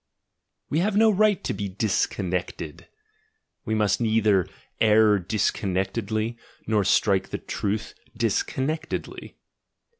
We have no right to be "disconnected"; we must neither err "disconnectedly" nor strike the truth "dis connectedly."